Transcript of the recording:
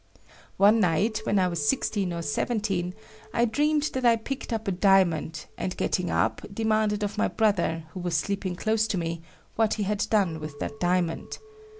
One night, when I was sixteen or seventeen, I dreamed that I picked up a diamond, and getting up, demanded of my brother who was sleeping close to me what he had done with that diamond.